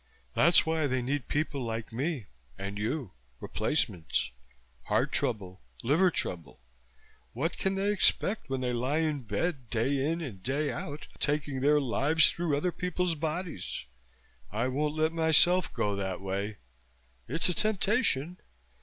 "That's why they need people like me. And you. Replacements. Heart trouble, liver trouble, what can they expect when they lie in bed day in and day out, taking their lives through other people's bodies? I won't let myself go that way.... It's a temptation.